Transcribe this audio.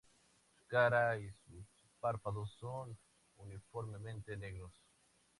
Su cara y sus párpados son uniformemente negros.